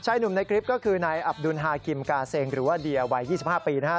หนุ่มในคลิปก็คือนายอับดุลฮากิมกาเซงหรือว่าเดียวัย๒๕ปีนะฮะ